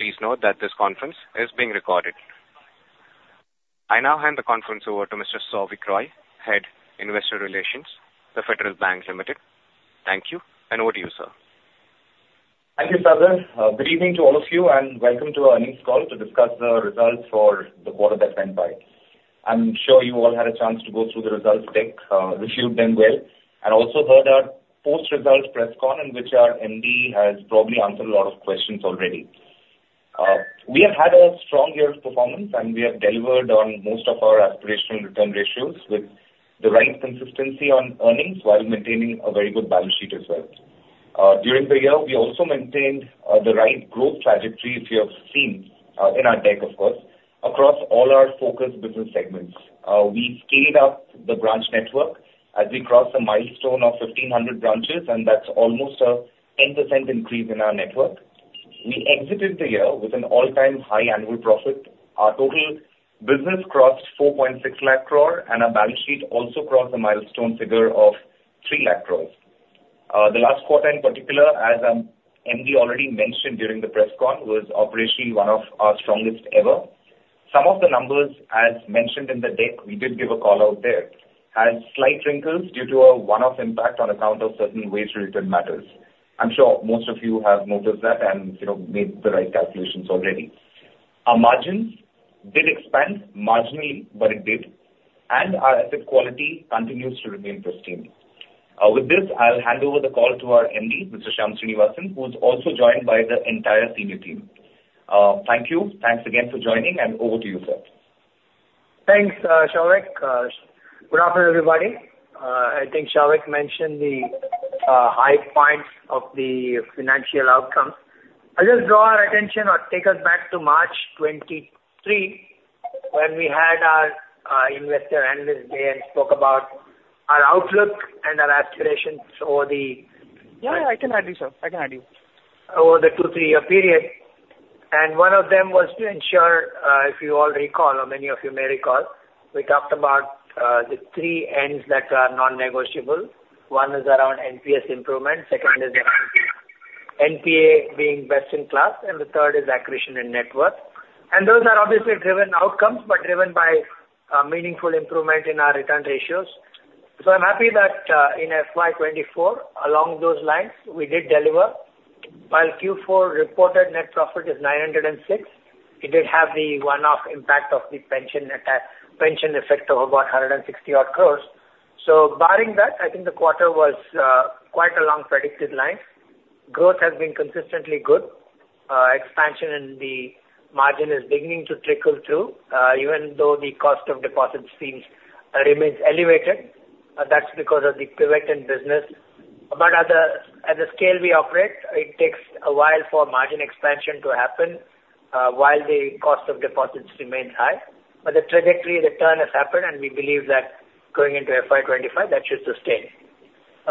Please note that this conference is being recorded. I now hand the conference over to Mr. Souvik Roy, Head, Investor Relations, The Federal Bank Limited. Thank you, and over to you, sir. Thank you, Sagar. Good evening to all of you, and welcome to our earnings call to discuss the results for the quarter that went by. I'm sure you all had a chance to go through the results deck, reviewed them well, and also heard our post-results press con, in which our MD has probably answered a lot of questions already. We have had a strong year of performance, and we have delivered on most of our aspirational return ratios, with the right consistency on earnings while maintaining a very good balance sheet as well. During the year, we also maintained, the right growth trajectory, if you have seen, in our deck, of course, across all our focused business segments. We scaled up the branch network as we crossed a milestone of 1,500 branches, and that's almost a 10% increase in our network. We exited the year with an all-time high annual profit. Our total business crossed 460,000 crore, and our balance sheet also crossed a milestone figure of 300,000 crore. The last quarter in particular, as MD already mentioned during the press con, was operationally one of our strongest ever. Some of the numbers, as mentioned in the deck, we did give a call-out there, had slight wrinkles due to a one-off impact on account of certain wage-related matters. I'm sure most of you have noticed that and, you know, made the right calculations already. Our margins did expand marginally, but it did, and our asset quality continues to remain pristine. With this, I'll hand over the call to our MD, Mr. Shyam Srinivasan, who's also joined by the entire senior team. Thank you. Thanks again for joining, and over to you, sir. Thanks, Souvik. Good afternoon, everybody. I think Souvik mentioned the high points of the financial outcome. I'll just draw our attention or take us back to March 2023, when we had our investor analyst day and spoke about our outlook and our aspirations over the- Yeah, yeah, I can hear you, sir. I can hear you. Over the two- to three-year period. One of them was to ensure, if you all recall, or many of you may recall, we talked about the three Ns that are non-negotiable. One is around NPS improvement, second is around NPA being best in class, and the third is accretion in network. And those are obviously driven outcomes, but driven by meaningful improvement in our return ratios. So I'm happy that in FY 2024, along those lines, we did deliver. While Q4 reported net profit is 906 crore, it did have the one-off impact of the pension effect of about 160 crore. So barring that, I think the quarter was quite along predicted lines. Growth has been consistently good. Expansion in the margin is beginning to trickle through, even though the cost of deposits seems remains elevated, that's because of the pivot in business. But at the scale we operate, it takes a while for margin expansion to happen while the cost of deposits remains high. But the trajectory return has happened, and we believe that going into FY 2025, that should sustain.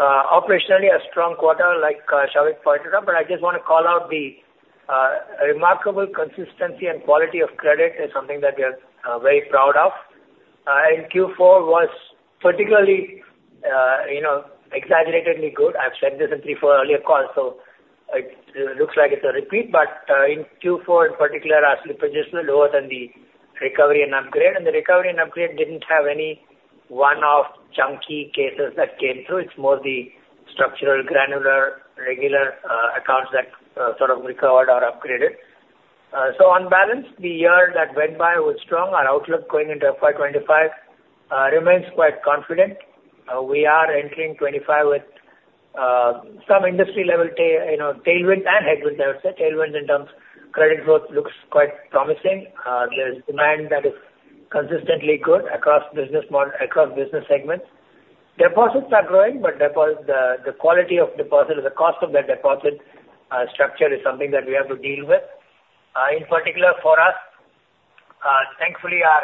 Operationally, a strong quarter like Souvik pointed out, but I just want to call out the remarkable consistency and quality of credit is something that we are very proud of. And Q4 was particularly you know exaggeratedly good. I've said this in three, four earlier calls, so it looks like it's a repeat. But in Q4 in particular, our slippages were lower than the recovery and upgrade, and the recovery and upgrade didn't have any one-off chunky cases that came through. It's more the structural, granular, regular, accounts that sort of recovered or upgraded. So on balance, the year that went by was strong. Our outlook going into FY 2025 remains quite confident. We are entering 25 with some industry-level you know, tailwind and headwind, I would say. Tailwind in terms credit growth looks quite promising. There is demand that is consistently good across business model, across business segments. Deposits are growing, but deposit, the, the quality of deposit, the cost of that deposit, structure is something that we have to deal with. In particular for us, thankfully, our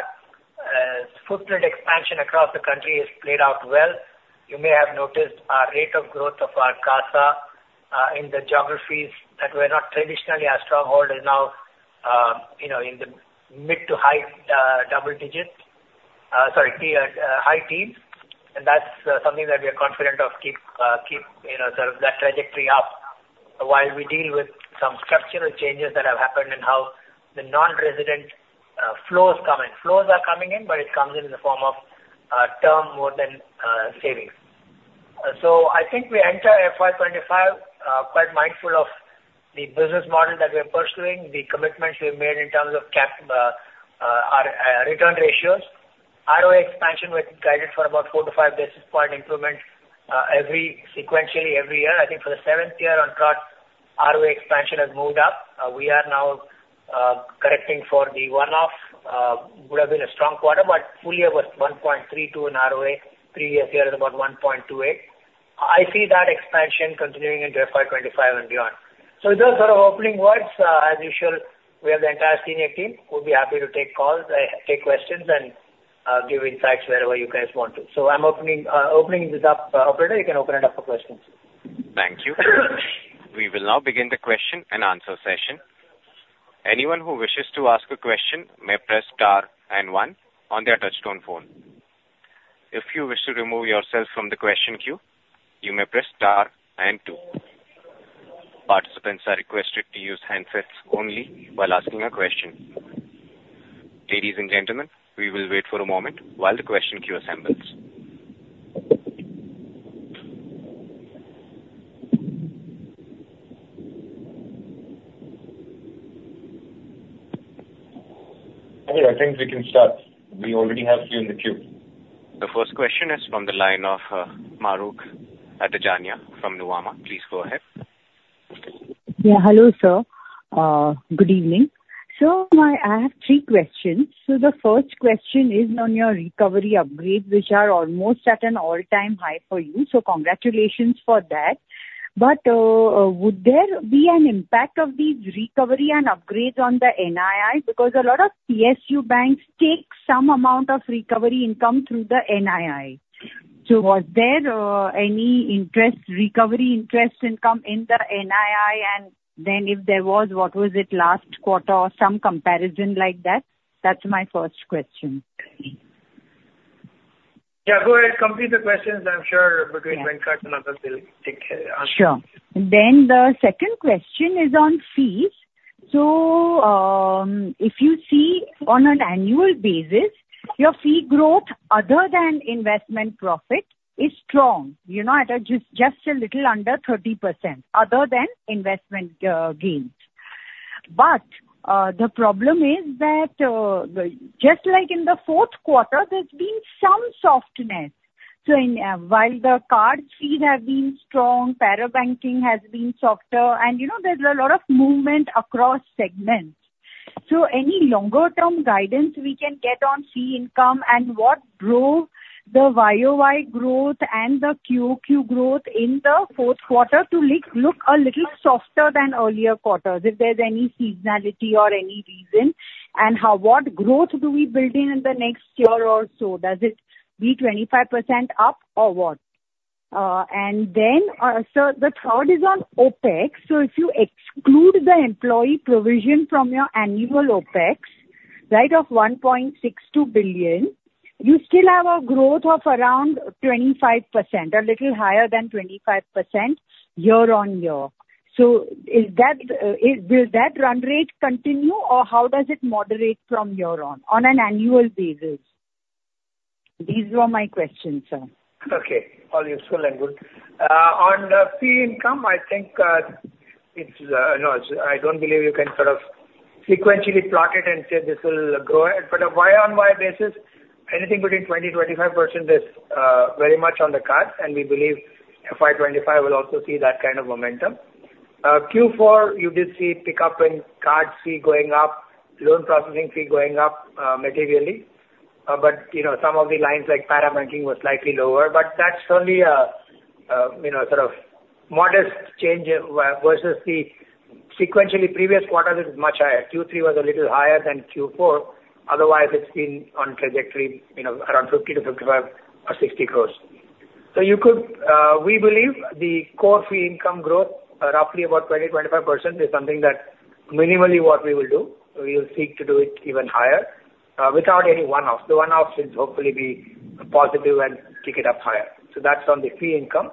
footprint expansion across the country has played out well. You may have noticed our rate of growth of our CASA in the geographies that were not traditionally our stronghold is now, you know, in the mid to high double digits. Sorry, key high teens, and that's something that we are confident of keep keep, you know, sort of that trajectory up, while we deal with some structural changes that have happened in how the non-resident flows come in. Flows are coming in, but it comes in in the form of term more than savings. So I think we enter FY 2025 quite mindful of the business model that we're pursuing, the commitments we've made in terms of cap our return ratios. ROA expansion, we've guided for about 4-5 basis point improvement every sequentially every year. I think for the seventh year on trot, ROA expansion has moved up. We are now, correcting for the one-off, would have been a strong quarter, but full year was 1.32 in ROA. Previous year is about 1.28. I see that expansion continuing into FY 2025 and beyond. So those are our opening words. As usual, we have the entire senior team, who'll be happy to take calls, take questions, and, give insights wherever you guys want to. So I'm opening, opening this up, operator. You can open it up for questions. Thank you. We will now begin the question and answer session. Anyone who wishes to ask a question may press star and one on their touchtone phone. If you wish to remove yourself from the question queue, you may press star and two. Participants are requested to use handsets only while asking a question. Ladies and gentlemen, we will wait for a moment while the question queue assembles. Okay, I think we can start. We already have few in the queue. The first question is from the line of Mahrukh Adajania from Nuvama. Please go ahead. Yeah, hello, sir. Good evening. So my-- I have three questions. So the first question is on your recovery upgrades, which are almost at an all-time high for you, so congratulations for that. But, would there be an impact of these recovery and upgrades on the NII? Because a lot of PSU banks take some amount of recovery income through the NII. So was there, any interest, recovery interest income in the NII? And then if there was, what was it last quarter or some comparison like that? That's my first question. Yeah, go ahead, complete the questions. I'm sure between Venkat and others they'll take answer. Sure. Then the second question is on fees. So, if you see on an annual basis, your fee growth other than investment profit is strong. You're now at just a little under 30%, other than investment gains. But the problem is that just like in the fourth quarter, there's been some softness. So while the card fees have been strong, parabanking has been softer, and you know, there's a lot of movement across segments. So any longer-term guidance we can get on fee income and what drove the YoY growth and the QoQ growth in the fourth quarter to look a little softer than earlier quarters, if there's any seasonality or any reason, and how what growth do we build in in the next year or so? Does it be 25% up or what? And then, so the third is on OpEx. So if you exclude the employee provision from your annual OpEx, right, of 1.62 billion, you still have a growth of around 25%, a little higher than 25% year-on-year. So is that, is, will that run rate continue, or how does it moderate from here on, on an annual basis? These were my questions, sir. Okay, all useful and good. On the fee income, I think, it's, no, I don't believe you can sort of sequentially plot it and say this will go ahead, but a YoY basis, anything between 20%-25% is very much on the card, and we believe FY 2025 will also see that kind of momentum. Q4, you did see pickup in card fee going up, loan processing fee going up materially. But, you know, some of the lines like para banking were slightly lower, but that's only a, you know, sort of modest change versus the sequentially previous quarter is much higher. Q3 was a little higher than Q4. Otherwise, it's been on trajectory, you know, around 50 crore-55 crore or 60 crore. So you could. We believe the core fee income growth, roughly about 20%-25%, is something that minimally what we will do. We will seek to do it even higher, without any one-off. The one-off should hopefully be positive and kick it up higher. So that's on the fee income.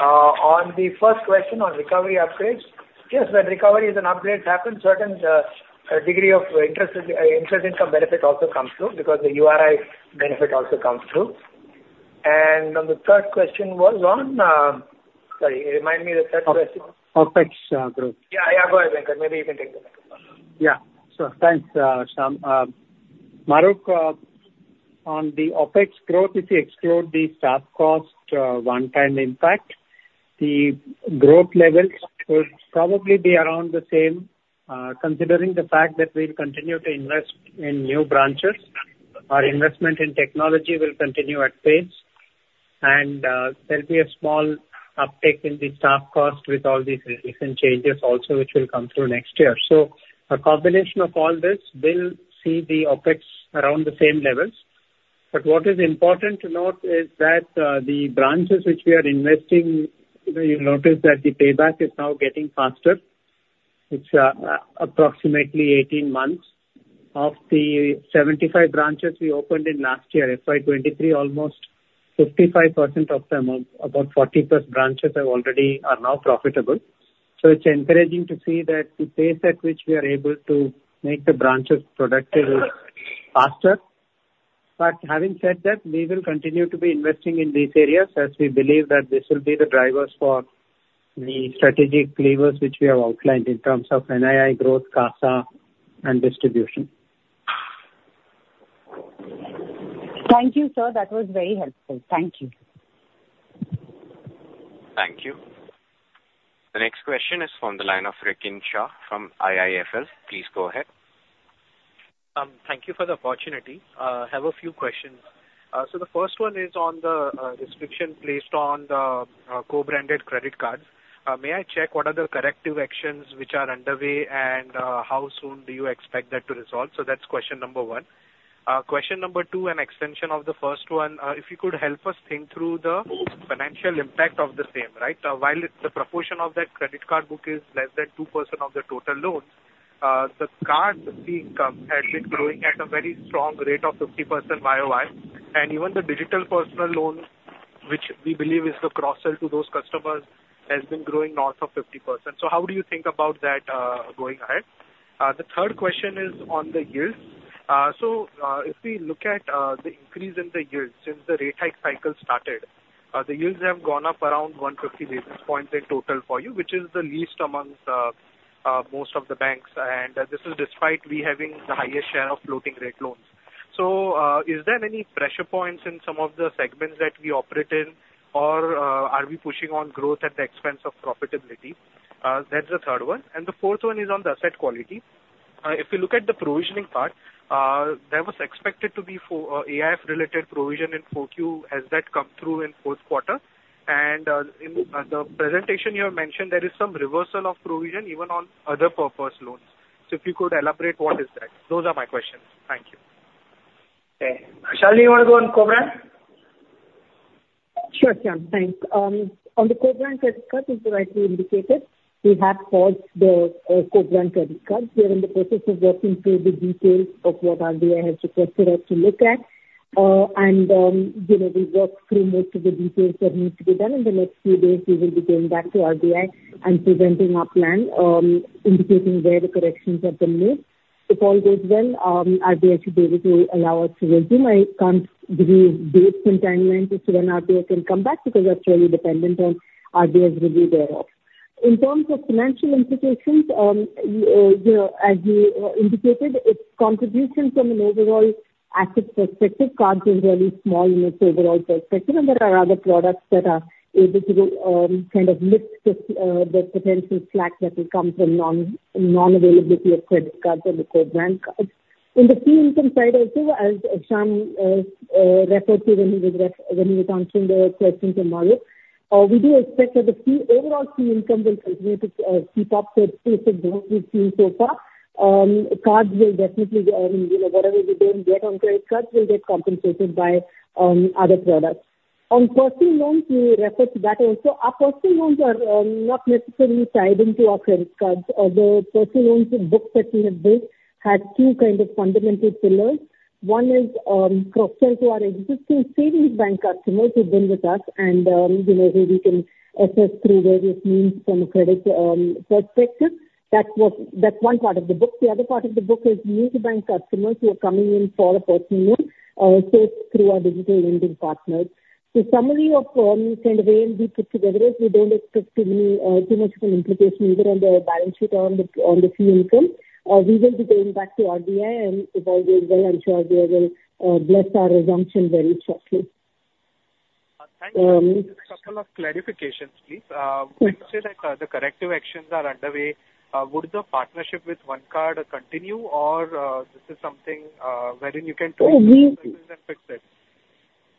On the first question on recovery upgrades, yes, when recovery and upgrades happen, certain degree of interest, interest income benefit also comes through, because the URI benefit also comes through. And on the third question was on, sorry, remind me the third question. OpEx, growth. Yeah, yeah, go ahead, Venkat. Maybe you can take the microphone. Yeah. Thanks, Shyam. Mahrukh, on the OpEx growth, if you exclude the staff cost, one-time impact, the growth levels will probably be around the same, considering the fact that we'll continue to invest in new branches. Our investment in technology will continue at pace, and, there'll be a small uptick in the staff cost with all these recent changes also, which will come through next year. So a combination of all this will see the OpEx around the same levels. But what is important to note is that, the branches which we are investing, you know, you'll notice that the payback is now getting faster. It's approximately 18 months. Of the 75 branches we opened in last year, FY 2023, almost 55% of them, about 40+ branches are already, are now profitable. It's encouraging to see that the pace at which we are able to make the branches productive is faster. But having said that, we will continue to be investing in these areas, as we believe that this will be the drivers for the strategic levers which we have outlined in terms of NII growth, CASA and distribution. Thank you, sir. That was very helpful. Thank you. Thank you. The next question is from the line of Rikin Shah from IIFL. Please go ahead. Thank you for the opportunity. I have a few questions. So the first one is on the restriction placed on the co-branded credit card. May I check what are the corrective actions which are underway, and how soon do you expect that to resolve? So that's question number one. Question number two, an extension of the first one. If you could help us think through the financial impact of the same, right? While it's the proportion of that credit card book is less than 2% of the total loans, the card fee income has been growing at a very strong rate of 50% YoY, and even the digital personal loan, which we believe is the cross-sell to those customers, has been growing north of 50%. So how do you think about that going ahead? The third question is on the yields. So, if we look at the increase in the yields since the rate hike cycle started, the yields have gone up around 150 basis points in total for you, which is the least amongst most of the banks, and this is despite we having the highest share of floating rate loans. So, is there any pressure points in some of the segments that we operate in, or are we pushing on growth at the expense of profitability? That's the third one, and the fourth one is on the asset quality. If you look at the provisioning part, there was expected to be for AIF related provision in 4Q. Has that come through in fourth quarter? In the presentation you have mentioned there is some reversal of provision even on other purpose loans. If you could elaborate, what is that? Those are my questions. Thank you. Okay. Shalini, you want to go on co-brand? Sure, Shyam. Thanks. On the co-brand credit card, as rightly indicated, we have paused the co-brand credit card. We are in the process of working through the details of what RBI has requested us to look at. And you know, we work through most of the details that needs to be done. In the next few days, we will be going back to RBI and presenting our plan, indicating where the corrections have been made. If all goes well, RBI should be able to allow us to resume. I can't give date, timeline as to when RBI can come back, because we're actually dependent on RBI's review thereof. In terms of financial implications, you know, as you indicated, its contributions from an overall asset perspective, cards is really small in its overall perspective, and there are other products that are able to kind of lift the potential slack that will come from non-availability of credit cards or the co-brand cards. In the fee income side also, as Shyam referred to when he was answering the question from Marukh, we do expect that the fee overall fee income will continue to keep up with. Cards will definitely, you know, whatever we didn't get on credit cards will get compensated by other products. On personal loans, we referred to that also. Our personal loans are not necessarily tied into our credit cards, although personal loans, the books that we have built have two kind of fundamental pillars. One is cross-sell to our existing savings bank customers who've been with us and you know who we can assess through various means from a credit perspective. That's one part of the book. The other part of the book is new to bank customers who are coming in for a personal loan so through our digital lending partners. So summary of kind of way we put together is we don't expect too many too much of an implication either on the balance sheet or on the fee income. We will be going back to RBI, and if all goes well, I'm sure they will bless our assumption very shortly. Thank you, a couple of clarifications, please. Sure. When you say that, the corrective actions are underway, would the partnership with OneCard continue or, this is something, wherein you can- Oh, we- and fix it?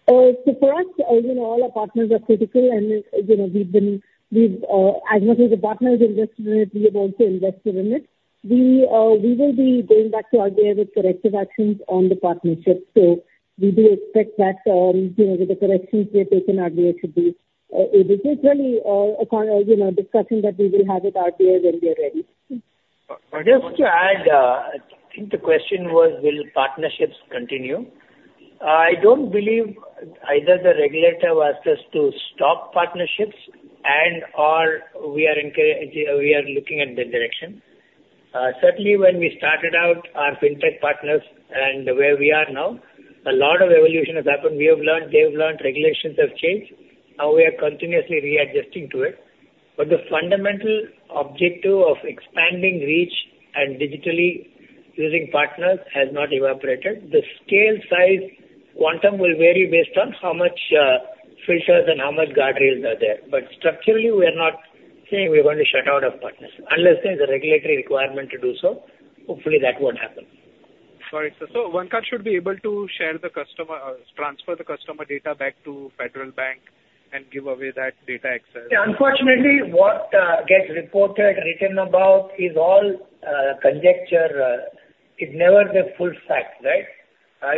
So for us, you know, all our partners are critical, and, you know, we've been as much as the partner is invested in it, we have also invested in it. We will be going back to RBI with corrective actions on the partnership, so we do expect that, you know, the corrections we have taken, RBI should be able to clearly confirm, you know, discussing that we will have with RBI when we are ready. Just to add, I think the question was, will partnerships continue? I don't believe either the regulator wants us to stop partnerships and/or we are looking at that direction. Certainly when we started out our fintech partners and where we are now, a lot of evolution has happened. We have learned, they've learned, regulations have changed. Now we are continuously readjusting to it. But the fundamental objective of expanding reach and digitally using partners has not evaporated. The scale, size, quantum will vary based on how much filters and how much guardrails are there. But structurally, we are not saying we're going to shut out our partners, unless there's a regulatory requirement to do so. Hopefully, that won't happen. Got it, sir. So OneCard should be able to share the customer, transfer the customer data back to Federal Bank and give away that data access? Unfortunately, what gets reported, written about is all conjecture. It's never the full fact, right?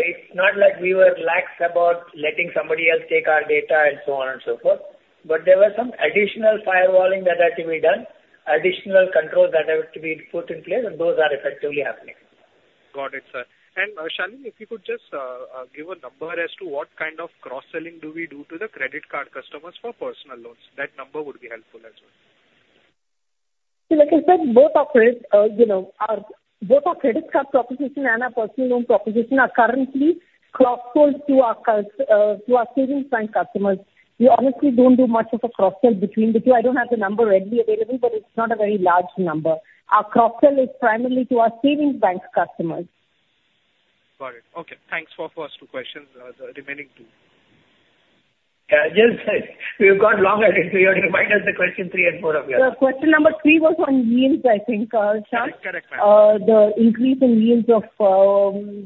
It's not like we were lax about letting somebody else take our data and so on and so forth, but there were some additional firewalling that had to be done, additional controls that have to be put in place, and those are effectively happening. Got it, sir. Shalini, if you could just give a number as to what kind of cross-selling do we do to the credit card customers for personal loans. That number would be helpful as well. Like I said, both our credit, you know, both our credit card proposition and our personal loan proposition are currently cross-sold to our customers, to our savings bank customers. We honestly don't do much of a cross-sell between the two. I don't have the number readily available, but it's not a very large number. Our cross-sell is primarily to our savings bank customers. Got it. Okay. Thanks for first two questions. The remaining two. Yeah, just we've got longer, so you remind us the question three and four again. Question number three was on yields, I think, Shyam. Correct. The increase in yields of,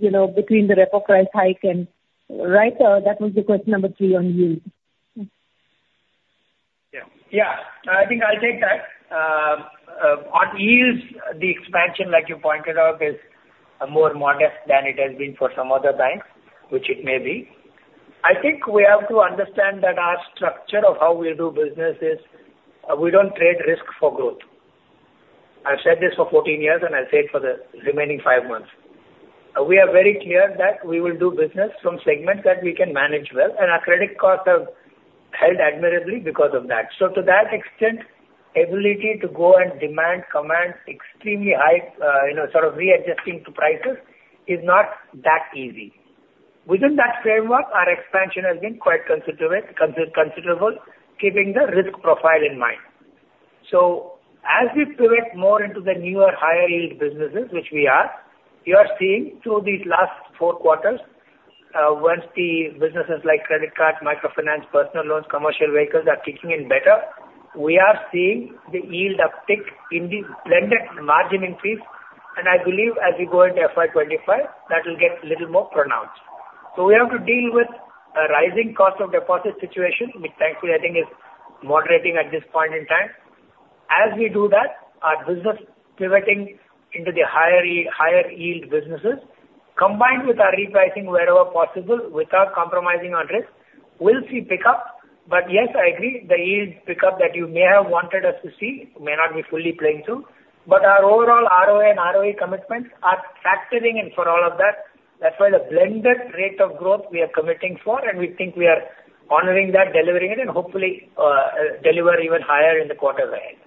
you know, between the repo rate hike and... Right? That was the question number three on yields. Yeah. Yeah, I think I'll take that. On yields, the expansion, like you pointed out, is more modest than it has been for some other banks, which it may be, I think we have to understand that our structure of how we do business is, we don't trade risk for growth. I've said this for 14 years, and I'll say it for the remaining five months. We are very clear that we will do business from segments that we can manage well, and our credit costs have held admirably because of that. So to that extent, ability to go and demand, command extremely high, you know, sort of readjusting to prices is not that easy. Within that framework, our expansion has been quite considerable, keeping the risk profile in mind. So as we pivot more into the newer, higher yield businesses, which we are, you are seeing through these last four quarters, once the businesses like credit card, microfinance, personal loans, commercial vehicles are kicking in better, we are seeing the yield uptick in the blended margin increase. And I believe as we go into FY 2025, that will get little more pronounced. So we have to deal with a rising cost of deposit situation, which thankfully, I think is moderating at this point in time. As we do that, our business pivoting into the higher yield businesses, combined with our repricing wherever possible, without compromising on risk, will see pick up. But yes, I agree, the yield pick up that you may have wanted us to see may not be fully playing to, but our overall ROA and ROE commitments are factoring in for all of that. That's why the blended rate of growth we are committing for, and we think we are honoring that, delivering it, and hopefully, deliver even higher in the quarter ahead.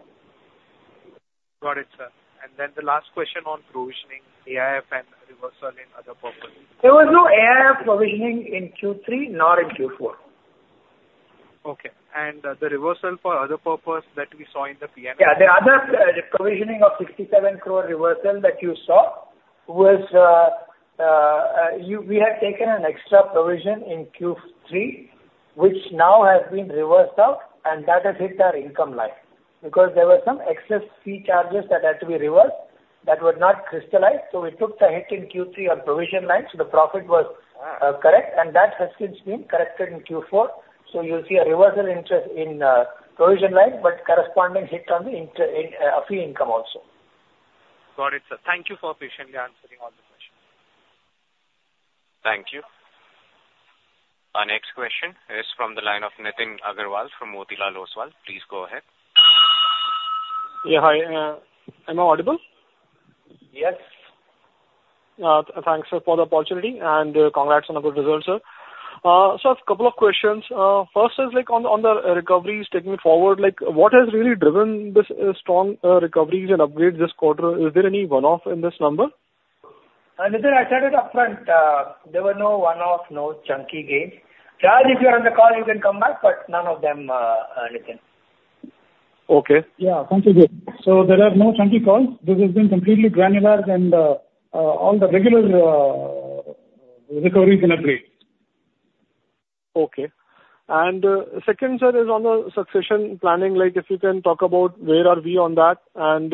Got it, sir. And then the last question on provisioning, AIF and reversal in other purposes. There was no AIF provisioning in Q3, nor in Q4. Okay. The reversal for other purpose that we saw in the PM? Yeah, the other provisioning of 67 crore reversal that you saw was, we had taken an extra provision in Q3, which now has been reversed out, and that has hit our income line. Because there were some excess fee charges that had to be reversed, that were not crystallized, so we took the hit in Q3 on provision line, so the profit was correct, and that has been corrected in Q4. So you'll see a reversal in provision line, but corresponding hit on the other fee income also. Got it, sir. Thank you for patiently answering all the questions. Thank you. Our next question is from the line of Nitin Aggarwal from Motilal Oswal. Please go ahead. Yeah, hi. Am I audible? Yes. Thanks, sir, for the opportunity, and congrats on a good result, sir. So a couple of questions. First is like on the recoveries taking it forward, like, what has really driven this strong recoveries and upgrades this quarter? Is there any one-off in this number? Nitin, I said it upfront, there were no one-off, no chunky gains. Raj, if you're on the call, you can come back, but none of them, Nitin. Okay. Yeah, completely. So there are no chunky calls. This has been completely granular and all the regular recoveries in upgrade. Okay. Second, sir, is on the succession planning. Like, if you can talk about where are we on that, and,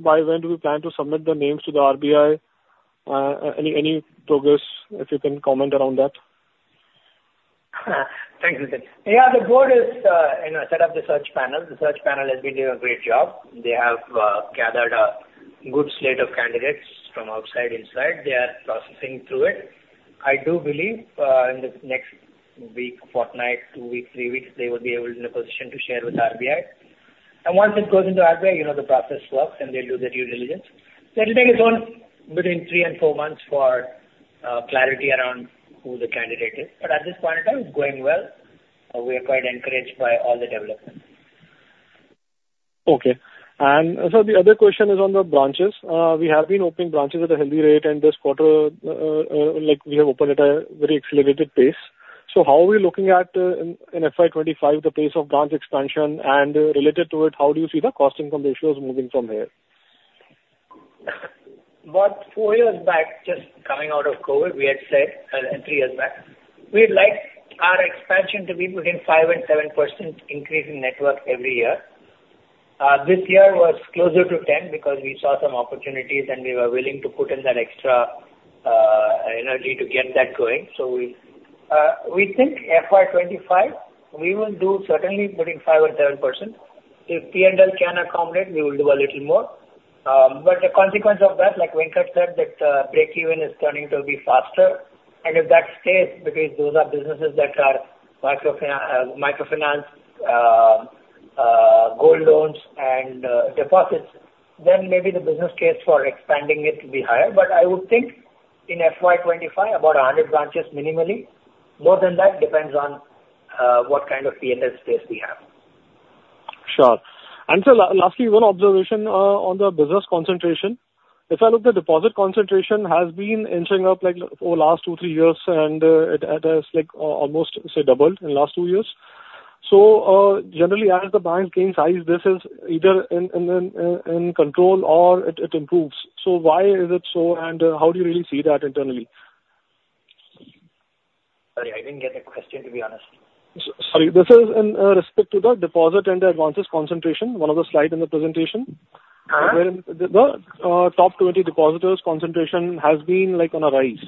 by when do we plan to submit the names to the RBI? Any progress, if you can comment around that? Thanks, Nitin. Yeah, the board is, you know, set up the search panel. The search panel has been doing a great job. They have gathered a good slate of candidates from outside, inside. They are processing through it. I do believe, in the next week, fortnight, two weeks, three weeks, they will be able in a position to share with RBI. And once it goes into RBI, you know, the process works, and they'll do their due diligence. That will take us on between three and four months for clarity around who the candidate is. But at this point in time, it's going well. We are quite encouraged by all the developments. Okay. So the other question is on the branches. We have been opening branches at a healthy rate, and this quarter, like, we have opened at a very accelerated pace. So how are we looking at, in FY 2025, the pace of branch expansion, and related to it, how do you see the cost-to-income ratios moving from here? About four years back, just coming out of COVID, we had said, and 3 years back, we'd like our expansion to be between 5%-7% increase in network every year. This year was closer to 10% because we saw some opportunities, and we were willing to put in that extra energy to get that going. So we think FY 2025, we will do certainly between 5%-7%. If PNL can accommodate, we will do a little more. But the consequence of that, like Venkat said, that break even is turning to be faster. And if that stays, because those are businesses that are microfinance, gold loans and deposits, then maybe the business case for expanding it will be higher. But I would think in FY 2025, about 100 branches minimally. More than that, depends on what kind of PNL space we have. Sure. And sir, lastly, one observation on the business concentration. If I look, the deposit concentration has been inching up, like, over the last two, three years, and it has, like, almost, say, doubled in last two years. So, generally, as the bank gains size, this is either in control or it improves. So why is it so, and how do you really see that internally? Sorry, I didn't get the question, to be honest. Sorry, this is in respect to the deposit and the advances concentration, one of the slides in the presentation. Uh? Wherein the top 20 depositors' concentration has been, like, on a rise.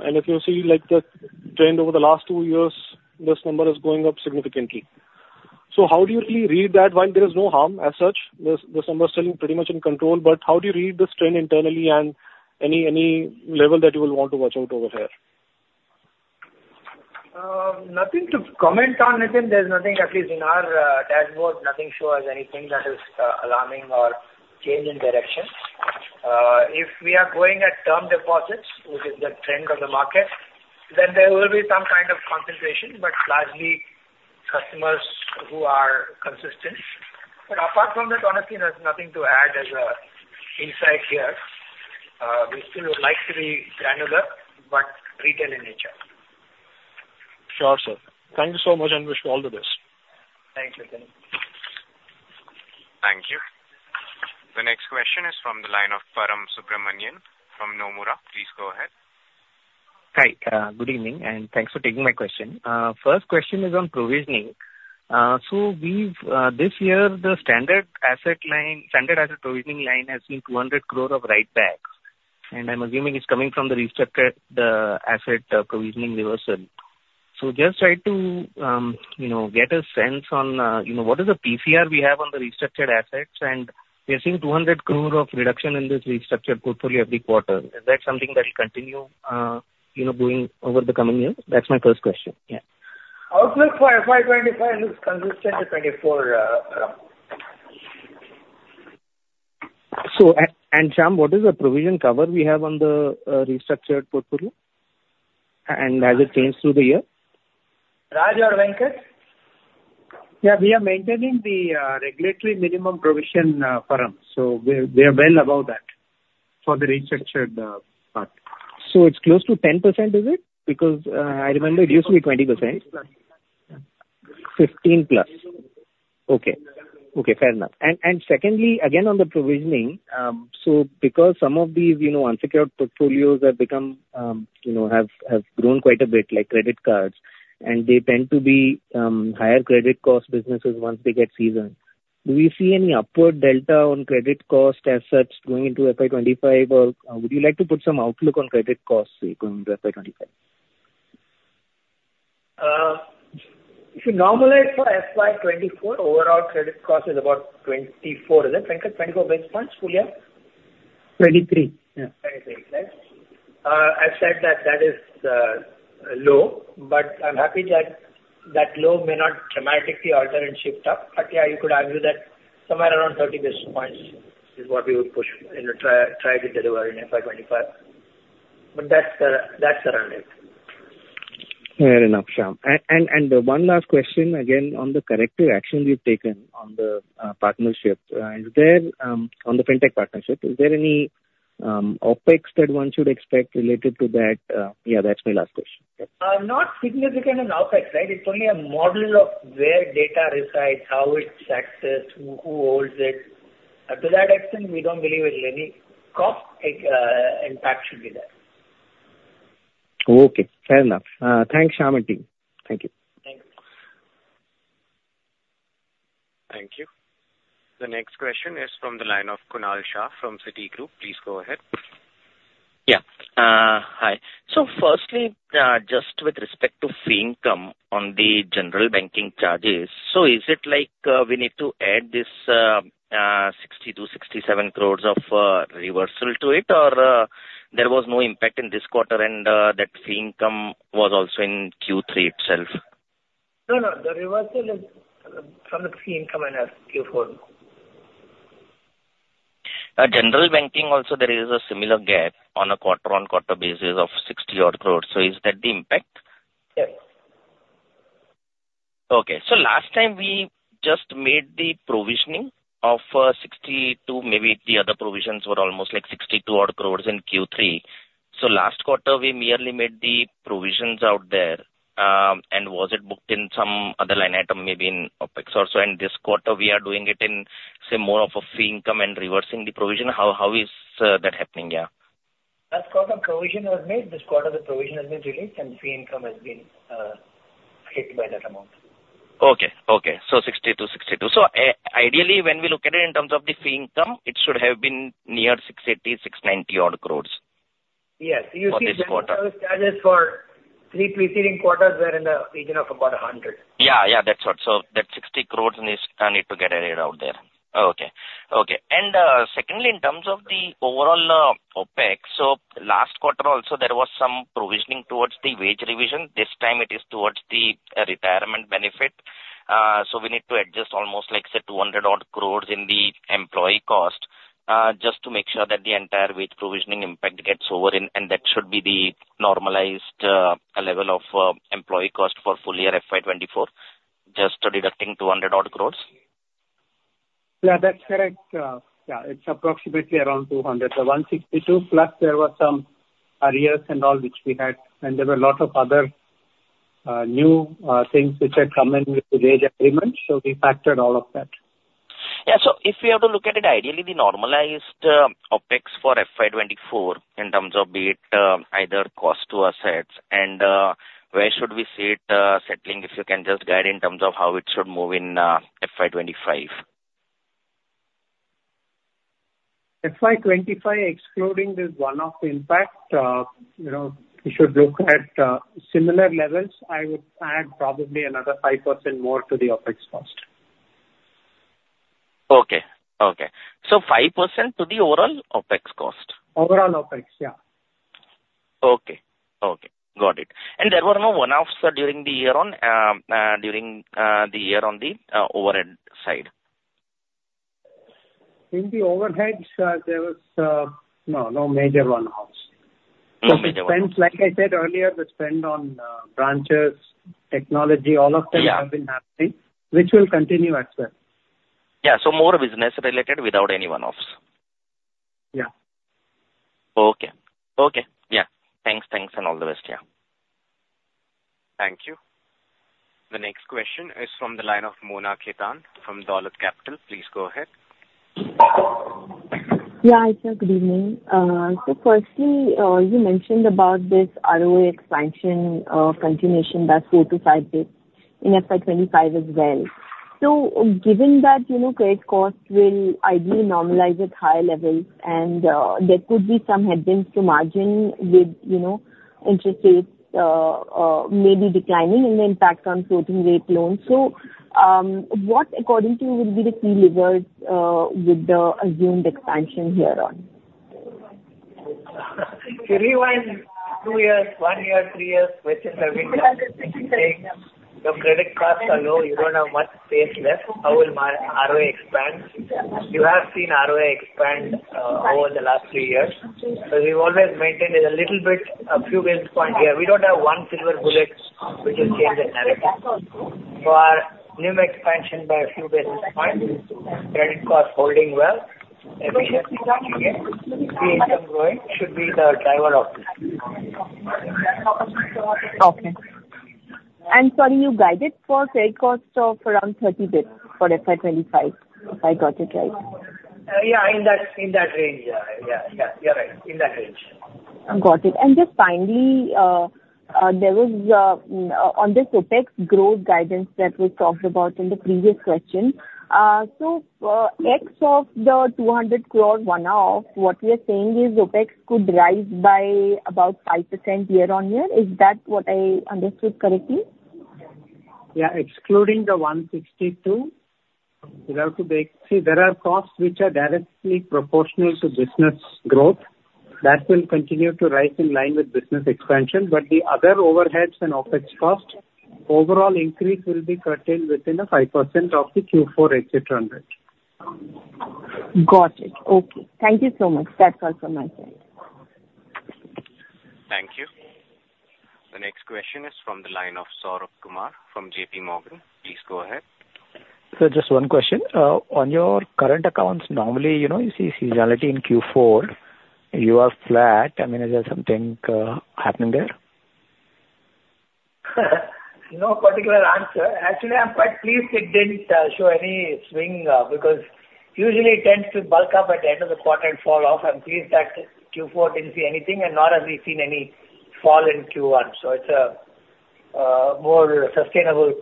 And if you see, like, the trend over the last two years, this number is going up significantly. So how do you really read that when there is no harm as such? This number is still pretty much in control, but how do you read this trend internally and any level that you will want to watch out over here? Nothing to comment on, Nitin. There's nothing, at least in our dashboard, nothing shows anything that is alarming or change in direction. If we are going at term deposits, which is the trend of the market, then there will be some kind of concentration, but largely customers who are consistent. But apart from that, honestly, there's nothing to add as an insight here. We still would like to be granular, but retail in nature. Sure, sir. Thank you so much, and wish you all the best. Thank you, Nitin. Thank you. The next question is from the line of Param Subramanian from Nomura. Please go ahead. Hi, good evening, and thanks for taking my question. First question is on provisioning. So we've, this year, the standard asset line, standard asset provisioning line has seen 200 crore of write-backs, and I'm assuming it's coming from the restructured asset provisioning reversal. So just try to, you know, get a sense on, you know, what is the PCR we have on the restructured assets, and we are seeing 200 crore of reduction in this restructured portfolio every quarter. Is that something that will continue, you know, going over the coming years? That's my first question. Yeah. Outlook for FY 2025 looks consistent with 2024, Param. Shyam, what is the provision cover we have on the restructured portfolio? Has it changed through the year? Raj or Venkat? Yeah, we are maintaining the regulatory minimum provision, Param, so we are well above that for the restructured part. It's close to 10%, is it? Because, I remember it used to be 20%. 15+. 15+. Okay. Okay, fair enough. And secondly, again, on the provisioning, so because some of these, you know, unsecured portfolios have become, you know, have grown quite a bit like credit cards, and they tend to be higher credit cost businesses once they get seasoned. Do we see any upward delta on credit cost as such going into FY 2025, or would you like to put some outlook on credit costs going into FY 2025? If you normalize for FY 2024, overall credit cost is about 24. Is that correct? 24 basis points, full year? 23, yeah. 23, right. I've said that that is low, but I'm happy that that low may not dramatically alter and shift up. But, yeah, you could argue that somewhere around 30 basis points is what we would push and try, try to deliver in FY 2025. But that's the, that's the run rate. Fair enough, Shyam. And one last question, again, on the corrective action you've taken on the partnership. Is there, on the Fintech partnership, is there any OpEx that one should expect related to that? Yeah, that's my last question. Not significant on OpEx, right? It's only a model of where data resides, how it's accessed, who holds it. Up to that extent, we don't believe there's any cost impact should be there. Okay, fair enough. Thanks, Shyam, and team. Thank you. Thank you. Thank you. The next question is from the line of Kunal Shah from Citigroup. Please go ahead. Yeah. Hi. So firstly, just with respect to fee income on the general banking charges, so is it like, we need to add this, 62 crore-67 crore of reversal to it? Or, there was no impact in this quarter and, that fee income was also in Q3 itself? No, no, the reversal is from the fee income in Q4. General banking also there is a similar gap on a quarter-on-quarter basis of 60-odd crore. So is that the impact? Yes. Okay. So last time we just made the provisioning of 62, maybe the other provisions were almost like 62-odd crores in Q3. So last quarter, we merely made the provisions out there, and was it booked in some other line item, maybe in OpEx or so, and this quarter we are doing it in, say, more of a fee income and reversing the provision. How, how is that happening? Yeah. Last quarter, provision was made. This quarter, the provision has been released, and fee income has been hit by that amount. Okay, okay. So 62, 62. So ideally, when we look at it in terms of the fee income, it should have been near 680 crores-690 crores odd. Yes. For this quarter. You see charges for three preceding quarters were in the region of about 100. Yeah, yeah, that's what. So that 60 crore is need to get aired out there. Okay. Okay, and secondly, in terms of the overall OpEx, so last quarter also there was some provisioning towards the wage revision. This time it is towards the retirement benefit. So we need to adjust almost like, say, 200-odd crore in the employee cost, just to make sure that the entire wage provisioning impact gets over, and that should be the normalized level of employee cost for full year FY 2024, just deducting 200-odd crore? Yeah, that's correct. Yeah, it's approximately around 200. So 162+ there were some arrears and all which we had, and there were a lot of other, new, things which had come in with the wage agreement, so we factored all of that. Yeah, so if we have to look at it, ideally, the normalized OpEx for FY 2024, in terms of be it either cost to assets and where should we see it settling, if you can just guide in terms of how it should move in FY 2025? FY 2025, excluding this one-off impact, you know, we should look at similar levels. I would add probably another 5% more to the OpEx cost. Okay. Okay. So 5% to the overall OpEx cost? Overall OpEx, yeah. Okay. Okay, got it. And there were no one-offs during the year on the overhead side? In the overheads, there was, no, no major one-offs. No major one-offs. Like I said earlier, the spend on branches, technology, all of them- Yeah. Have been happening, which will continue as well. Yeah, so more business related without any one-offs? Yeah. Okay. Okay, yeah. Thanks, thanks, and all the best. Yeah. Thank you. The next question is from the line of Mona Khetan from Dolat Capital. Please go ahead. Yeah, hi, sir, good evening. So firstly, you mentioned about this ROA expansion, continuation by 4-5 basis in FY 2025 as well. So given that, you know, credit cost will ideally normalize at higher levels, and, there could be some headwinds to margin with, you know, interest rates, maybe declining and the impact on floating rate loans. So, what, according to you, would be the key levers, with the assumed expansion here on? If you rewind two years, one year, three years, which is between, the credit costs are low, you don't have much space left. How will my ROA expand? You have seen ROA expand over the last three years. So we've always maintained it a little bit, a few basis points here. We don't have one silver bullet which will change the narrative. For new expansion by a few basis points, credit cost holding well, efficiency gains, the income growth should be the driver of this. Okay. Sorry, you guided for credit cost of around 30 basis for FY 2025, if I got it right? Yeah, in that, in that range. Yeah, yeah, yeah, you're right, in that range. Got it. And just finally, there was on this OpEx growth guidance that we talked about in the previous question. So, X of the 200 crore one-off, what we are saying is OpEx could rise by about 5% year-on-year. Is that what I understood correctly? Yeah, excluding the 162, you have to break. See, there are costs which are directly proportional to business growth. That will continue to rise in line with business expansion, but the other overheads and OpEx costs, overall increase will be curtailed within a 5% of the Q4 et cetera budget. Got it. Okay, thank you so much. That's all from my side. Thank you. The next question is from the line of Saurabh Kumar from JPMorgan. Please go ahead. Sir, just one question. On your current accounts, normally, you know, you see seasonality in Q4, you are flat. I mean, is there something happening there? No particular answer. Actually, I'm quite pleased it didn't show any swing, because usually it tends to bulk up at the end of the quarter and fall off. I'm pleased that Q4 didn't see anything, and nor have we seen any fall in Q1. So it's a more sustainable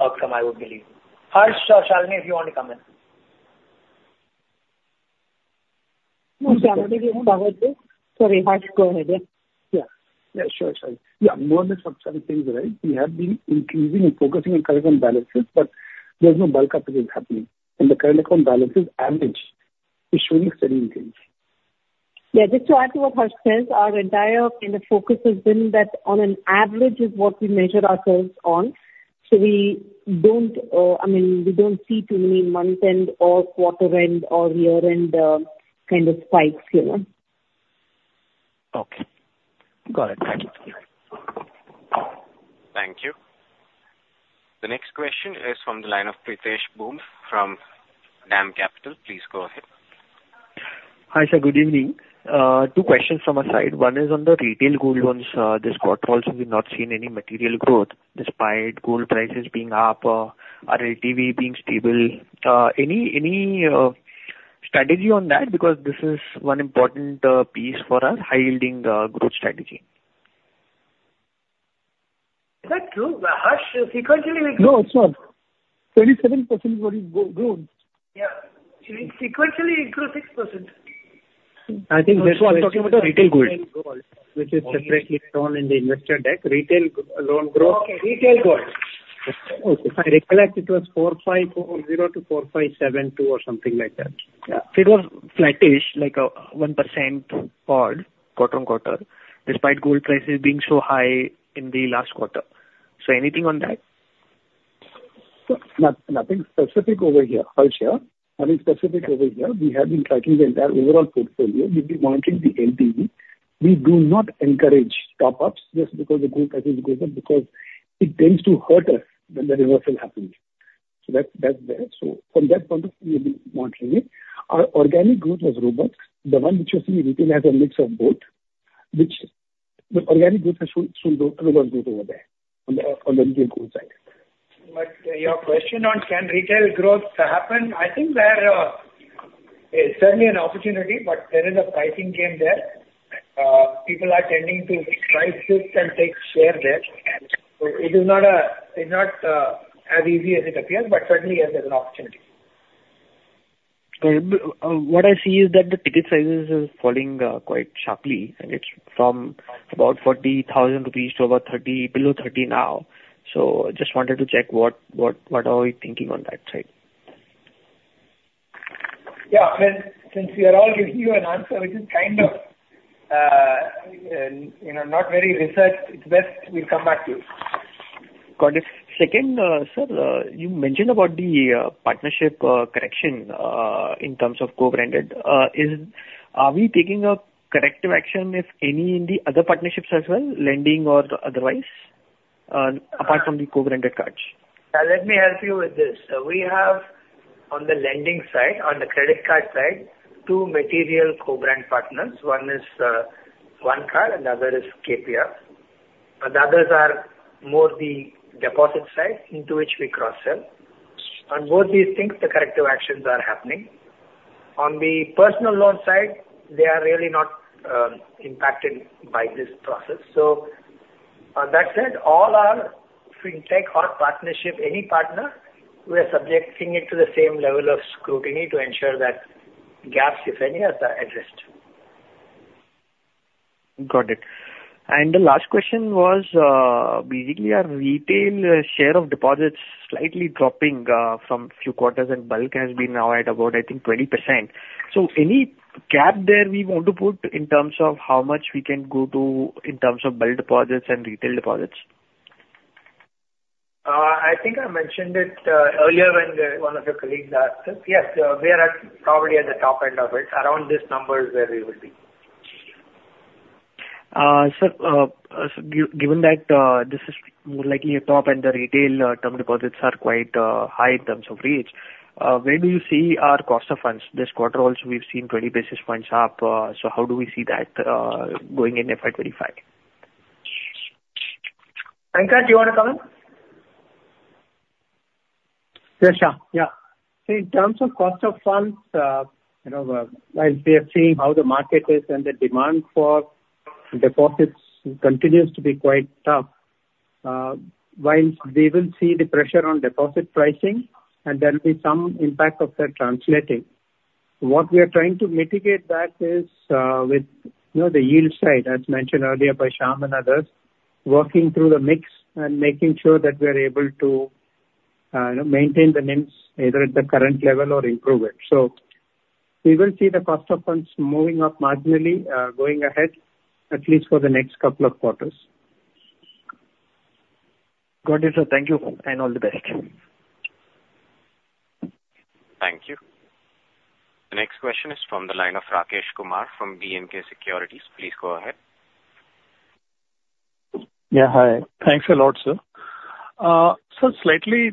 outcome, I would believe. Harsh or Shalini, if you want to comment. go ahead, yeah. Yeah. Yeah, sure, sorry. Yeah, more on the substantive things, right? We have been increasing and focusing on current account balances, but there's no bulk up that is happening. The current account balances average is showing certain things. Yeah, just to add to what Harsh says, our entire kind of focus has been that on an average is what we measure ourselves on. So we don't, I mean, we don't see too many month-end or quarter-end or year-end, kind of spikes, you know? Okay. Got it. Thank you. Thank you. The next question is from the line of Pritesh Bumb from DAM Capital. Please go ahead. Hi, sir, good evening. Two questions from my side. One is on the retail gold loans. This quarter also, we've not seen any material growth, despite gold prices being up, our LTV being stable. Any strategy on that? Because this is one important piece for our high-yielding growth strategy. Is that true, Harsh, sequentially we- No, it's not. 27% book growth. Yeah. Sequentially, it grew 6%. I think that's why I'm talking about the retail gold. Retail gold, which is separately shown in the investor deck, retail gold loan growth. Okay, retail gold. Okay, if I recollect, it was 4540-4572 or something like that. Yeah. It was flattish, like, 1% odd quarter-on-quarter, despite gold prices being so high in the last quarter. So anything on that? So nothing specific over here. Harsh here. Nothing specific over here. We have been tracking the entire overall portfolio. We've been monitoring the LTV. We do not encourage top-ups just because the gold prices go up, because it tends to hurt us when the reversal happens. So that's, that's there. So from that point of view, we've been monitoring it. Our organic growth was robust. The one which you see in retail has a mix of both, which the organic growth should, should grow, robust growth over there on the, on the retail gold side. But, your question on can retail growth happen, I think there is certainly an opportunity, but there is a pricing game there. People are tending to try, shift, and take share there. So it is not as easy as it appears, but certainly, yes, there's an opportunity. What I see is that the ticket sizes is falling quite sharply, and it's from about 40,000 rupees to about 30, below 30 now. So just wanted to check what are we thinking on that side? Yeah. Since we are all giving you an answer which is kind of, you know, not very researched, it's best we come back to you. Got it. Second, sir, you mentioned about the, partnership, correction, in terms of co-branded. Are we taking a corrective action, if any, in the other partnerships as well, lending or otherwise, apart from the co-branded cards? Let me help you with this. We have, on the lending side, on the credit card side, two material co-branded partners. One is, OneCard, and the other is Scapia. And the others are more the deposit side into which we cross-sell. On both these things, the corrective actions are happening. On the personal loan side, they are really not, impacted by this process. So on that sense, all our fintech or partnership, any partner, we are subjecting it to the same level of scrutiny to ensure that gaps, if any, are addressed. Got it. And the last question was, basically, our retail share of deposits slightly dropping from few quarters, and bulk has been now at about, I think, 20%. So any gap there we want to put in terms of how much we can go to in terms of bulk deposits and retail deposits? I think I mentioned it earlier when one of your colleagues asked it. Yes, we are at, probably at the top end of it, around this number is where we will be. Sir, given that this is more likely a top end, the retail term deposits are quite high in terms of reach, where do you see our cost of funds? This quarter also, we've seen 20 basis points up. So how do we see that going in FY 2025? Venkat, do you want to comment? Yes, Shyam. Yeah, in terms of cost of funds, you know, while we are seeing how the market is and the demand for deposits continues to be quite tough, while we will see the pressure on deposit pricing, and there will be some impact of that translating. What we are trying to mitigate that is, with, you know, the yield side, as mentioned earlier by Shyam and others, working through the mix and making sure that we're able to, you know, maintain the NIMs, either at the current level or improve it. So we will see the cost of funds moving up marginally, going ahead, at least for the next couple of quarters. Got it, sir. Thank you, and all the best. Thank you. The next question is from the line of Rakesh Kumar from B&K Securities. Please go ahead. Yeah, hi. Thanks a lot, sir. Slightly,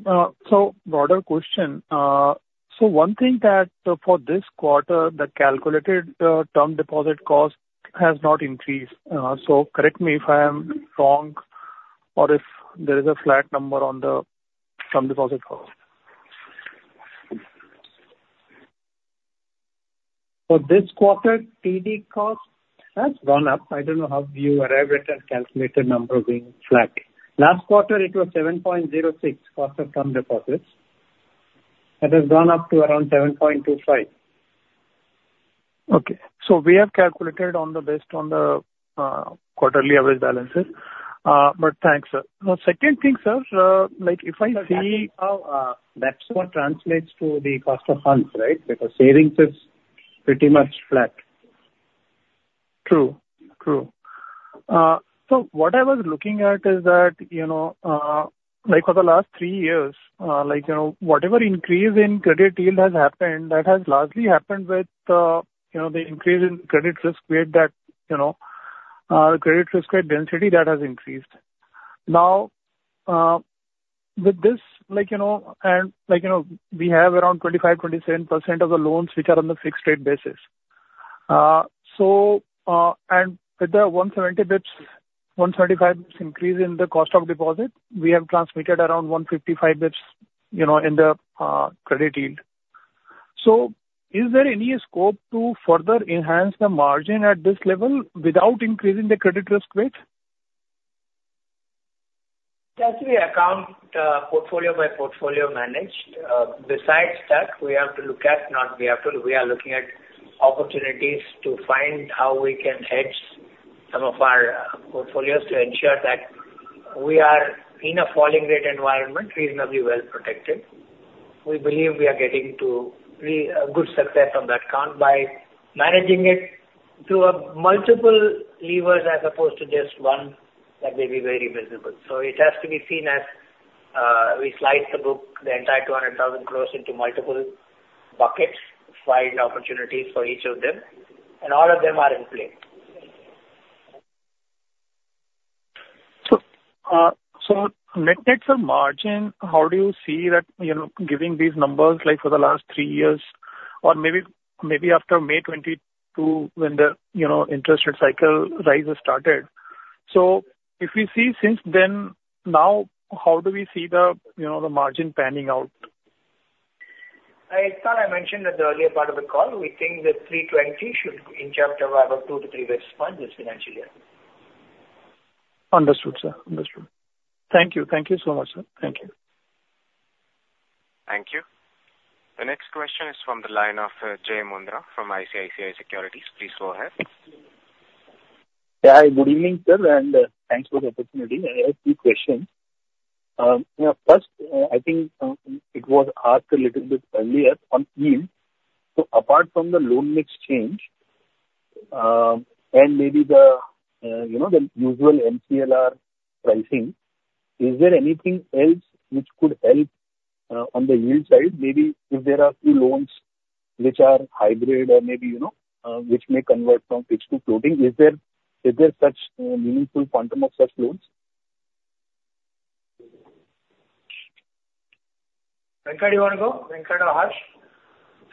so broader question. So one thing that for this quarter, the calculated, term deposit cost has not increased. So correct me if I am wrong or if there is a flat number on the term deposit cost. For this quarter, TD cost has gone up. I don't know how you arrived at a calculated number being flat. Last quarter, it was 7.06, cost of term deposits. It has gone up to around 7.25. Okay, so we have calculated on the, based on the, quarterly average balances. But thanks, sir. The second thing, sir, like, if I see- That's what translates to the cost of funds, right? Because savings is pretty much flat. True. True. So what I was looking at is that, you know, like for the last three years, like, you know, whatever increase in credit yield has happened, that has largely happened with, you know, the increase in credit risk weight that, you know, credit risk weight density that has increased. Now, with this, like, you know, and like, you know, we have around 25%-27% of the loans which are on the fixed rate basis. So, and with the 170 basis points, 135 increase in the cost of deposit, we have transmitted around 155 basis points, you know, in the credit yield. So is there any scope to further enhance the margin at this level without increasing the credit risk weight? It has to be account, portfolio by portfolio managed. Besides that, we have to look at, we are looking at opportunities to find how we can hedge some of our portfolios to ensure that we are in a falling rate environment, reasonably well protected. We believe we are getting to good success on that account by managing it through a multiple levers as opposed to just one that may be very visible. So it has to be seen as, we slice the book, the entire 200,000 crore into multiple buckets, find opportunities for each of them, and all of them are in play. So, net-net for margin, how do you see that, you know, giving these numbers, like, for the last three years, or maybe, maybe after May 2022, when the, you know, interest rate cycle rises started? If we see since then, now, how do we see the, you know, the margin panning out? I thought I mentioned in the earlier part of the call, we think that 3.20 should impact about 2-3 basis points this financial year. Understood, sir. Understood. Thank you. Thank you so much, sir. Thank you. Thank you. The next question is from the line of, Jai Mundhra from ICICI Securities. Please go ahead. Yeah, hi, good evening, sir, and thanks for the opportunity. I have two questions. Yeah, first, I think it was asked a little bit earlier on yield. So apart from the loan mix change, and maybe the, you know, the usual MCLR pricing, is there anything else which could help on the yield side? Maybe if there are a few loans which are hybrid or maybe, you know, which may convert from fixed to floating, is there, is there such meaningful quantum of such loans? Venkat, you want to go? Venkat or Harsh?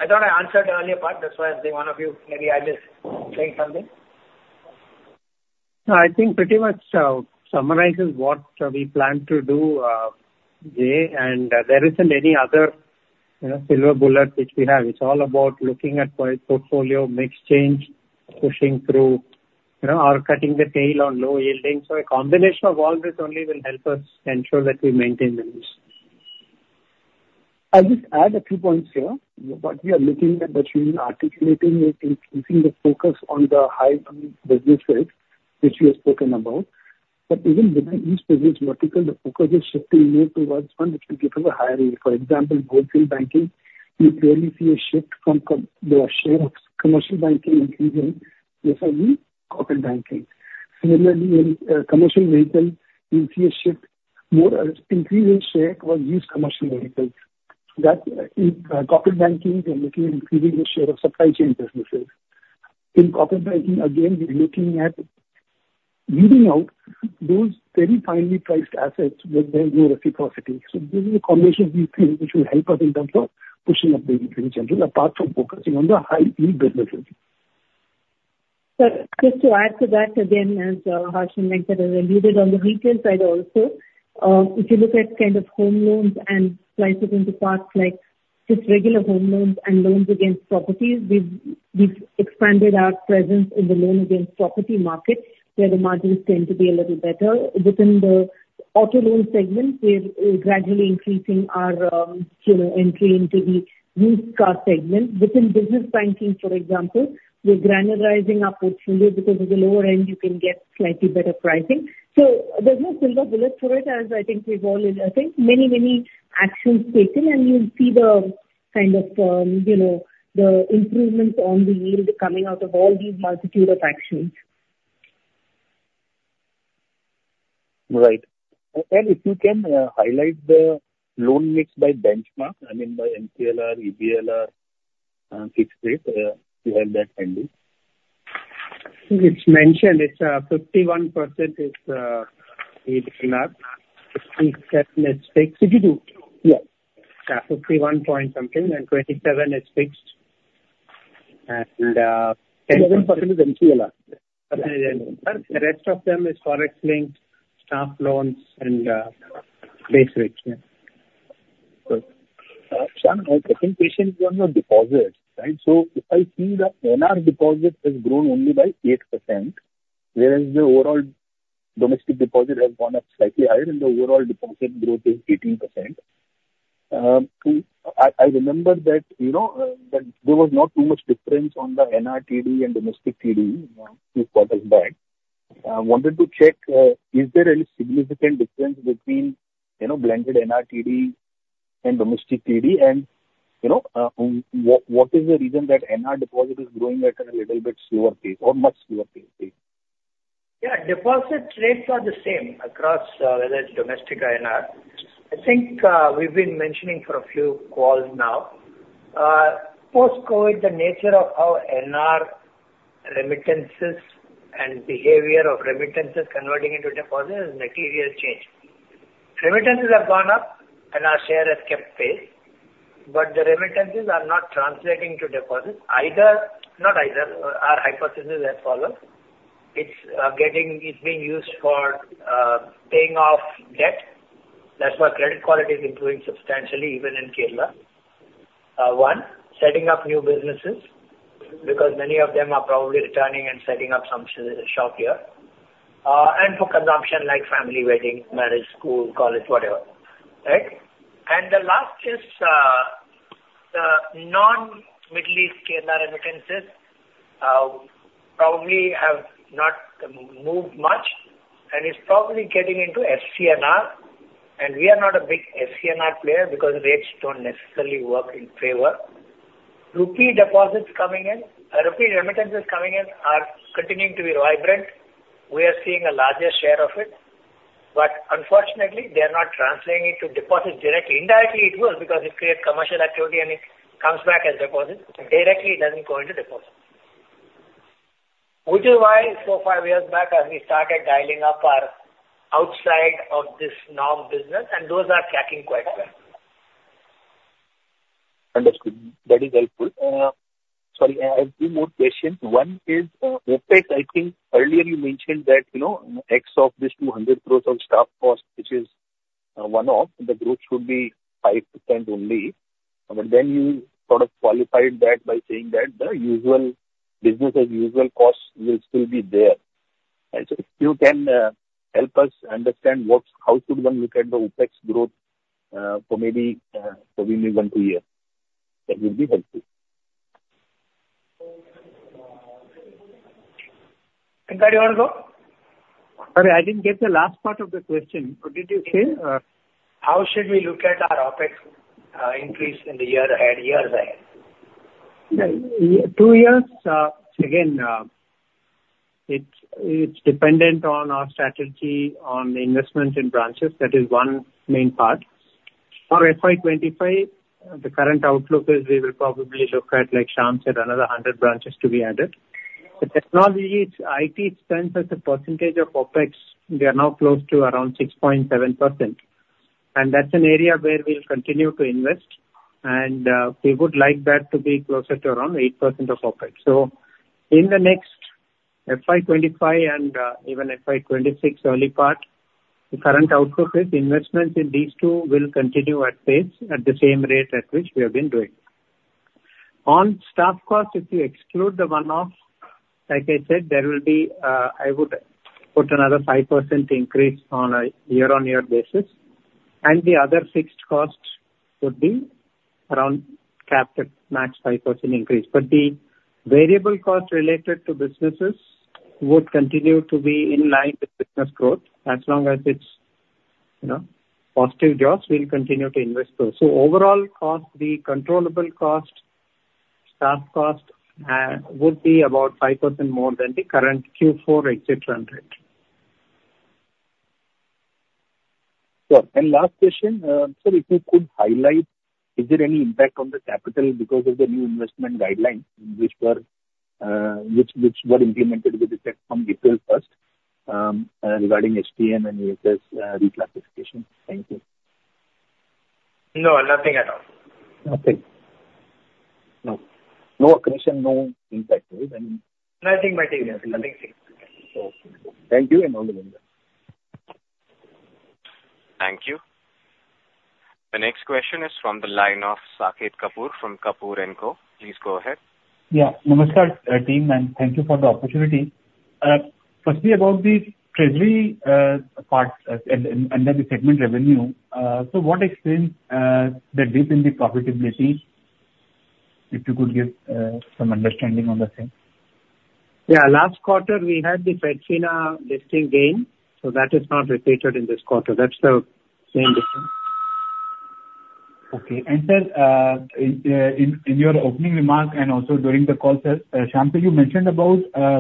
I thought I answered the earlier part. That's why I think one of you maybe I missed saying something. No, I think pretty much summarizes what we plan to do, Jay, and there isn't any other, you know, silver bullet which we have. It's all about looking at portfolio mix change, pushing through, you know, or cutting the tail on low yielding. So a combination of all this only will help us ensure that we maintain the yields. I'll just add a few points here. What we are looking at, which we are articulating, is increasing the focus on the high-yielding businesses, which we have spoken about. But even within each business vertical, the focus is shifting more towards one which will give us a higher yield. For example, Wholesale banking, you clearly see a shift from the share of commercial banking increasing, yes, I mean, corporate banking. Similarly, in commercial vehicle, you'll see a shift, more increasing share on used commercial vehicles. That in corporate banking, we're looking at increasing the share of supply chain businesses. In corporate banking, again, we're looking at leaving out those very finely priced assets where there is no reciprocity. So this is a combination we feel which will help us in terms of pushing up the yield in general, apart from focusing on the high-yield businesses. Sir, just to add to that, again, as Harsh and Venkat has alluded on the retail side also, if you look at kind of home loans and slice it into parts like just regular home loans and loans against properties, we've, we've expanded our presence in the loan against property market, where the margins tend to be a little better. Within the auto loan segment, we're gradually increasing our, you know, entry into the used car segment. Within business banking, for example, we're granularizing our portfolio because at the lower end, you can get slightly better pricing. So there's no silver bullet for it, as I think we've all, I think many, many actions taken, and you'll see the kind of, you know, the improvements on the yield coming out of all these multitude of actions. Right. And if you can, highlight the loan mix by benchmark, I mean, by MCLR, EBLR, fixed rate, you have that handy? It's mentioned, it's 51% is EBLR. 57 is fixed, 52. Yeah. 51 point something, and 27 is fixed. And, 7% is MCLR. Sir, the rest of them is for linked staff loans and base rates. Yeah. Shyam, I think patience on your deposits, right? So if I see the NR deposit has grown only by 8%, whereas the overall domestic deposit has gone up slightly higher, and the overall deposit growth is 18%. I, I remember that, you know, that there was not too much difference on the NRTD and domestic TD, few quarters back. I wanted to check, is there any significant difference between, you know, blended NRTD and domestic TD, and, you know, what, what is the reason that NR deposit is growing at a little bit slower pace or much slower pace? Yeah, deposit rates are the same across whether it's domestic or NR. I think we've been mentioning for a few calls now post-COVID, the nature of how NR remittances and behavior of remittances converting into deposits has materially changed. Remittances have gone up, and our share has kept pace, but the remittances are not translating to deposits, either. Not either, our hypothesis as follows: It's getting- it's being used for paying off debt. That's why credit quality is improving substantially, even in Kerala. One, setting up new businesses, because many of them are probably returning and setting up some shop here. And for consumption, like family wedding, marriage, school, college, whatever, right? And the last is, the non-Middle East NRI remittances, probably have not moved much, and it's probably getting into FCNR, and we are not a big FCNR player because rates don't necessarily work in favor. Rupee deposits coming in, rupee remittances coming in are continuing to be vibrant. We are seeing a larger share of it, but unfortunately, they are not transferring it to deposits directly. Indirectly, it will, because it creates commercial activity and it comes back as deposits. Directly, it doesn't go into deposits. Which is why, so five years back, we started dialing up our outside of this norm business, and those are tracking quite well. Understood. That is helpful. Sorry, I have two more questions. One is OpEx. I think earlier you mentioned that, you know, X of this 200 crore of staff cost, which is one-off, the growth should be 5% only. But then you sort of qualified that by saying that the usual, business as usual costs will still be there. And so if you can help us understand what's how should one look at the OpEx growth for maybe one, two year, that would be helpful. Venkat, do you want to go? Sorry, I didn't get the last part of the question. What did you say? How should we look at our OpEx, increase in the year ahead, years ahead? Yeah, two years, again, it's dependent on our strategy on investment in branches. That is one main part. For FY 2025, the current outlook is we will probably look at, like Shyam said, another 100 branches to be added. The technology, IT spends as a percentage of OpEx, we are now close to around 6.7%, and that's an area where we'll continue to invest, and we would like that to be closer to around 8% of OpEx. So in the next FY 2025 and even FY 2026, early part, the current outlook is investment in these two will continue at pace, at the same rate at which we have been doing. On staff costs, if you exclude the one-off, like I said, there will be, I would put another 5% increase on a year-on-year basis, and the other fixed costs would be around capped at max 5% increase. But the variable costs related to businesses would continue to be in line with business growth. As long as it's, you know, positive jaws, we'll continue to invest those. So overall cost, the controllable cost, staff cost, would be about 5% more than the current Q4 exit rate. Sure. Last question, sir, if you could highlight, is there any impact on the capital because of the new investment guidelines which were implemented with effect from April first, regarding HTM and AFS reclassification? Thank you. No, nothing at all. Nothing? No. No accretion, no impact, right, and- Nothing material, nothing significant. Thank you, and over to you. Thank you. The next question is from the line of Saket Kapoor from Kapoor & Co. Please go ahead. Yeah. Namaskar, team, and thank you for the opportunity. Firstly, about the treasury part, under the segment revenue, so what explains the dip in the profitability? If you could give some understanding on the same. Yeah, last quarter, we had the Fedfina listing gain, so that is not repeated in this quarter. That's the same difference. Okay. And, sir, in your opening remarks and also during the call, sir, Shyam, so you mentioned about,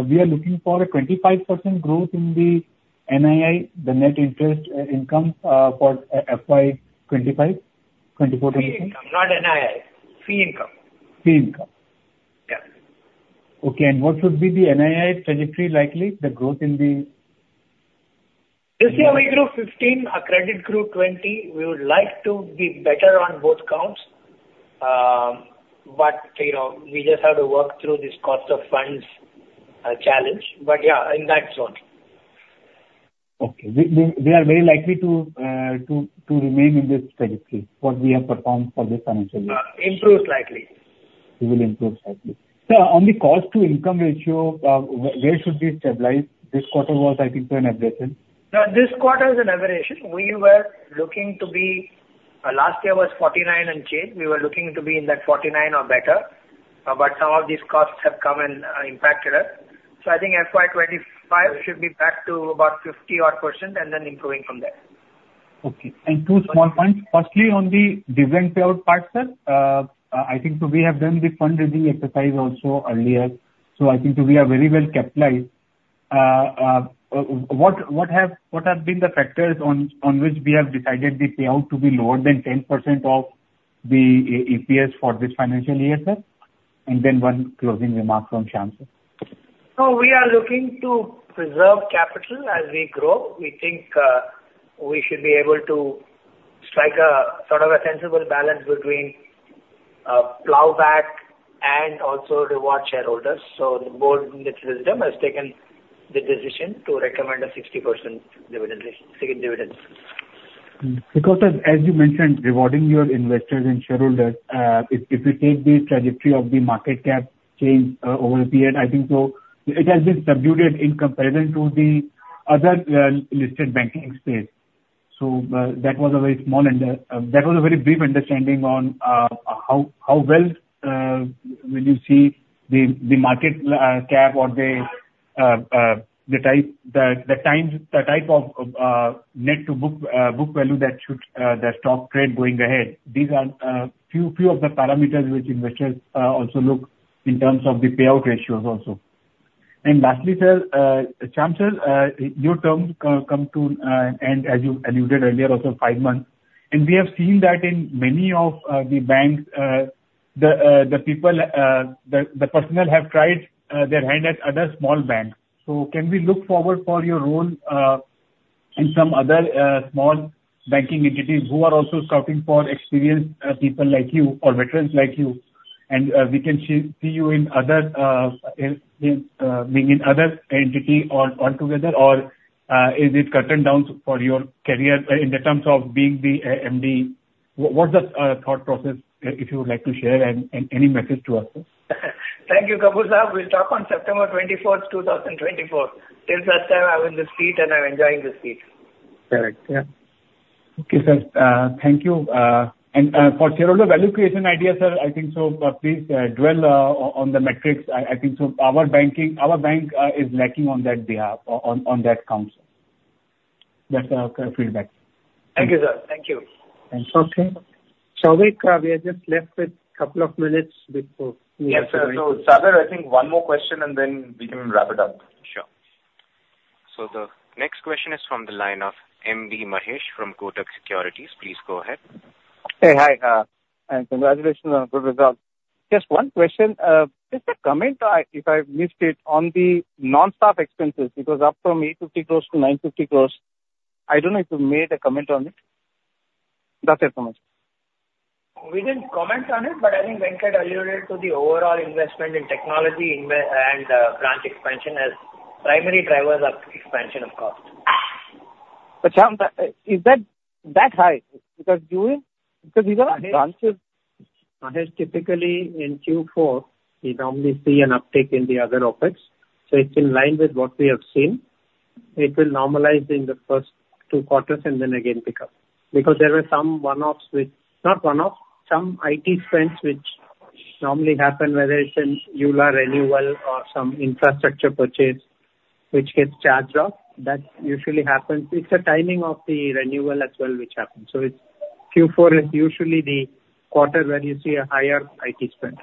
we are looking for a 25% growth in the NII, the net interest income, for FY 2025, 2024- Fee income, not NII. Fee income. Fee income. Yeah. Okay, and what would be the NII trajectory, likely, the growth in the- This year we grew 15, our credit grew 20. We would like to be better on both counts. But, you know, we just have to work through this cost of funds challenge. But yeah, in that zone. Okay. We are very likely to remain in this trajectory, what we have performed for this financial year? Improve slightly. We will improve slightly. Sir, on the cost to income ratio, where should we stabilize? This quarter was, I think, an aberration. No, this quarter is an aberration. We were looking to be, last year was 49 and change. We were looking to be in that 49 or better, but some of these costs have come and, impacted us. So I think FY 2025 should be back to about 50 odd % and then improving from there. Okay. And two small points. Firstly, on the dividend payout part, sir, I think so we have done the fund-raising exercise also earlier, so I think so we are very well capitalized. What have been the factors on which we have decided the payout to be lower than 10% of the EPS for this financial year, sir? And then one closing remark from Shyam, sir. So we are looking to preserve capital as we grow. We think we should be able to strike a sort of a sensible balance between plowback and also reward shareholders. So the board, in its wisdom, has taken the decision to recommend a 60% dividend ratio, second dividend. Because as you mentioned, rewarding your investors and shareholders, if you take the trajectory of the market cap change over the years, I think so it has been subdued in comparison to the other listed banking space. So that was a very brief understanding on how well when you see the market cap or the type of P-to-book book value that the stock should trade going ahead. These are a few of the parameters which investors also look in terms of the payout ratios also. And lastly, sir, Shyam sir, your terms come to end, as you alluded earlier, also five months, and we have seen that in many of the banks, the people, the personnel have tried their hand at other small banks. So can we look forward for your role and some other small banking entities who are also scouting for experienced people like you or veterans like you. And we can see you in other, in being in other entity or altogether, or is it curtain down for your career in the terms of being the MD? What's the thought process if you would like to share and any message to us, sir? Thank you, Kapoor Saket. We'll talk on September 24, 2024. Till that time, I'm in the street, and I'm enjoying the street. Correct. Yeah. Okay, sir, thank you. And for shareholder value creation idea, sir, I think so, please dwell on the metrics. I think so our banking, our bank, is lacking on that behalf, on that count. That's our kind of feedback. Thank you, sir. Thank you. Thanks. Okay. Souvik, we are just left with couple of minutes before we- Yes, sir. So, Sagar, I think one more question, and then we can wrap it up. Sure. So the next question is from the line of M.B. Mahesh from Kotak Securities. Please go ahead. Hey, hi, and congratulations on good results. Just one question. Just a comment, if I've missed it, on the OpEx, it was up from 850 crores to 950 crores. I don't know if you made a comment on it. That's it from us. We didn't comment on it, but I think Venkat alluded to the overall investment in technology and branch expansion as primary drivers of expansion of cost. But, is that high? Because these are branches. Mahesh, typically in Q4, we normally see an uptick in the other OpEx, so it's in line with what we have seen. It will normalize in the first two quarters and then again pick up. Because there were some one-offs which, not one-off, some IT spends which normally happen, whether it's an annual renewal or some infrastructure purchase, which gets charged off. That usually happens. It's a timing of the renewal as well, which happens. So it's, Q4 is usually the quarter where you see a higher IT spend.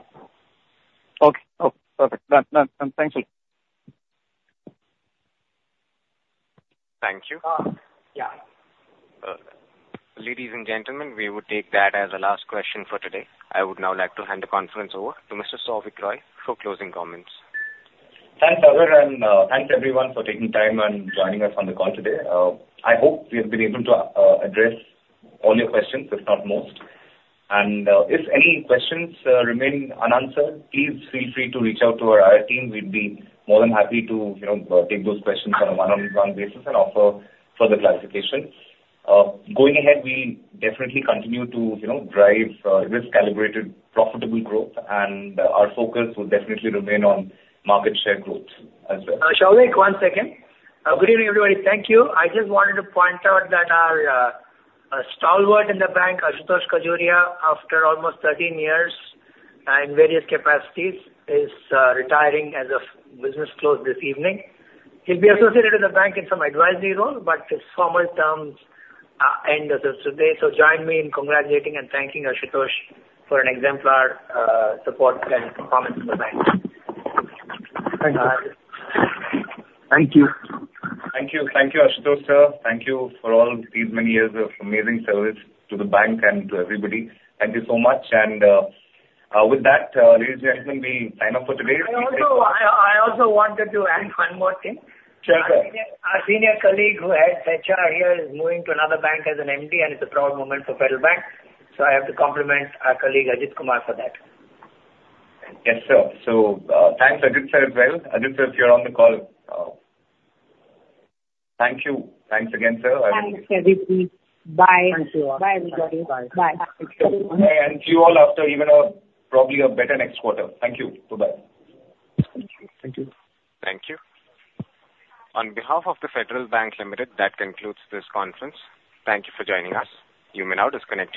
Okay. Oh, perfect. Done, done. Thank you. Thank you. Uh, yeah. Ladies and gentlemen, we would take that as the last question for today. I would now like to hand the conference over to Mr. Souvik Roy for closing comments. Thanks, Sagar, and, thanks, everyone, for taking time and joining us on the call today. I hope we have been able to, address all your questions, if not most. If any questions, remain unanswered, please feel free to reach out to our IR team. We'd be more than happy to, you know, take those questions on a one-on-one basis and offer further clarification. Going ahead, we definitely continue to, you know, drive, this calibrated, profitable growth, and, our focus will definitely remain on market share growth as well. Souvik, one second. Good evening, everybody. Thank you. I just wanted to point out that our stalwart in the bank, Ashutosh Khajuria, after almost 13 years and various capacities, is retiring as of business close this evening. He'll be associated with the bank in some advisory role, but his formal terms end as of today. So join me in congratulating and thanking Ashutosh for an exemplar support and performance in the bank. Thank you. Thank you. Thank you, Ashutosh, sir. Thank you for all these many years of amazing service to the bank and to everybody. Thank you so much, and with that, ladies and gentlemen, we sign off for today. And also, I also wanted to add one more thing. Sure, sir. Our senior colleague, who heads HR here, is moving to another bank as an MD, and it's a proud moment for Federal Bank, so I have to compliment our colleague, Ajit Kumar, for that. Yes, sir. Thanks, Ajit, sir, as well. Ajit, sir, if you're on the call, thank you. Thanks again, sir. Thanks, everybody. Bye. Bye, everybody. Bye. See you all after even a, probably a better next quarter. Thank you. Bye-bye. Thank you. Thank you. On behalf of The Federal Bank Limited, that concludes this conference. Thank you for joining us. You may now disconnect your lines.